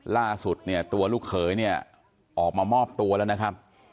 ล่าสุดเนี่ยตัวลูกเขยเนี่ยออกมามอบตัวแล้วนะครับ